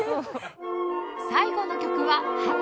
最後の曲は『鳩』